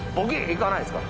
いかないですか？